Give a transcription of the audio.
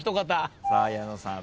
さあ矢野さん。